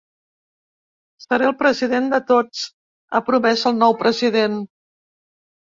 Seré el president de tots, ha promès el nou president.